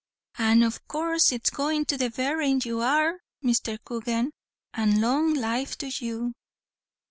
"And av coorse it's goin' to the berrin, you are, Mr. Coogan, and long life to you."